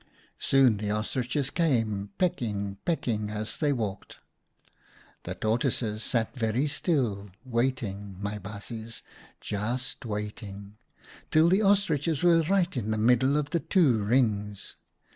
" Soon the Ostriches came, pecking, peck ing, as they walked. " The Tortoises sat very still, waiting, my baasjes, just waiting, till the Ostriches were right in the middle of the two rings.